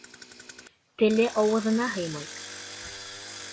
Теле ауыҙына һыймай.